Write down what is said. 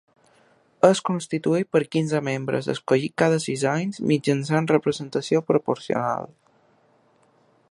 És constituït per quinze membres, escollits cada sis anys mitjançant representació proporcional.